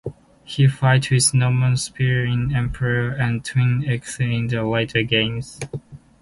He fights with a normal spear in Empires and twin axes in later games.